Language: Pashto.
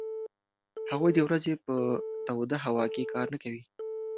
هغوی د ورځې په توده هوا کې کار نه کوي.